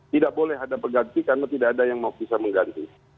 tidak boleh ada perganti karena tidak ada yang mau bisa mengganti